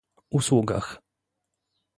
usługach